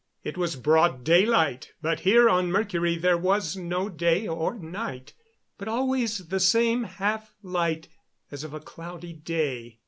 It was broad daylight, but here on Mercury there was no day or night, but always the same half light, as of a cloudy day.